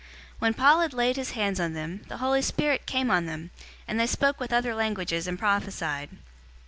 019:006 When Paul had laid his hands on them, the Holy Spirit came on them, and they spoke with other languages and prophesied.